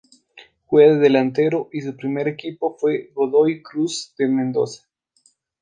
Juega de delantero y su primer equipo fue Godoy Cruz de Mendoza.